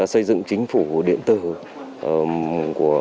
xây dựng chính phủ điện tử